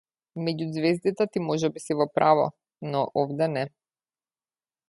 Меѓу ѕвездите ти можеби си во право, но овде не.